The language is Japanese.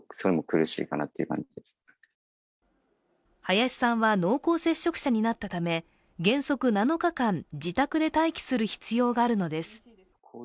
林さんは濃厚接触者になったため、原則７日間、自宅で待機する必要があるのです。